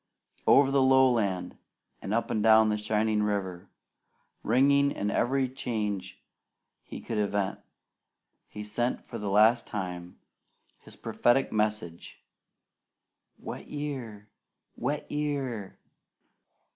Over the lowland and up and down the shining river, ringing in every change he could invent, he sent for the last time his prophetic message, "Wet year! Wet year!"